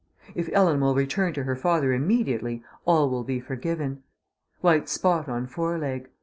If Ellen will return to her father immediately all will be forgiven. White spot on foreleg.